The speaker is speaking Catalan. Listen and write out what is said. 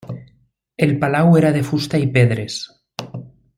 El palau era de fusta i pedres.